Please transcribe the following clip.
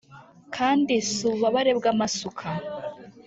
kandi si ububabare bw'amasuka!